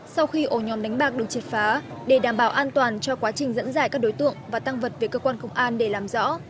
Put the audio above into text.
sau khi ổ nhóm đánh bạc được triệt phá để đảm bảo an toàn cho quá trình dẫn dải các đối tượng và tăng vật về cơ quan công an để làm rõ